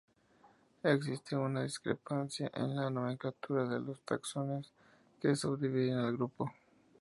Existe una gran discrepancia en la nomenclatura de los taxones que subdividen al grupo.